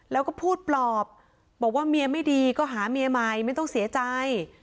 แล้วก็พูดปลอบบอกว่าเมียไม่ดีก็หาเมียใหม่ไม่ต้องเสียใจ